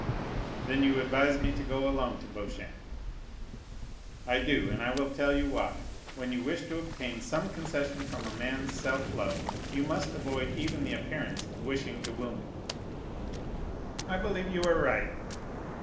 "Then you advise me to go alone to Beauchamp?" "I do, and I will tell you why. When you wish to obtain some concession from a man's self love, you must avoid even the appearance of wishing to wound it." "I believe you are right."